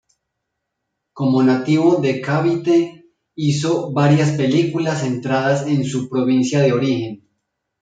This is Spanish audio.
Como nativo de Cavite, hizo varias películas centradas en su provincia de origen.